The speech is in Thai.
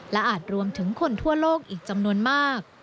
และอาจรวมถึงคนทั่วโลกอีกจำนวนมาก